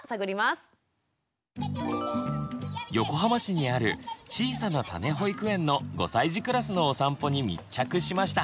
横浜市にあるちいさなたね保育園の５歳児クラスのお散歩に密着しました。